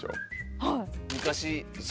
はい。